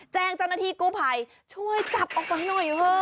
แจ้งเจ้าหน้าที่กู้ภัยช่วยจับออกจังหน่อยเถอะ